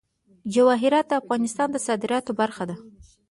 جواهرات د افغانستان د صادراتو برخه ده.